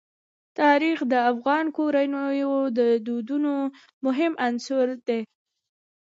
تاریخ د افغان کورنیو د دودونو مهم عنصر دی.